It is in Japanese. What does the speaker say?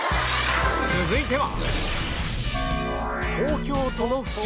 続いては